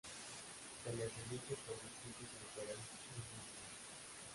Se les elige por distritos electoral uninominales.